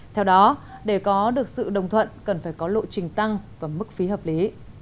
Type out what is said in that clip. theo đó để có được sự đồng thuận cần phải có lộ trình tăng và mức phí hợp lý